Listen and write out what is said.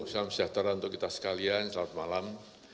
salam sejahtera untuk kita sekalian selamat malam